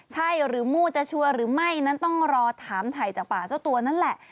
ใช่หรือมู้จะชัวร์หรือไม่นั้นต้องรอถามถ่ายจากปากเจ้าตัวนั่นแหละ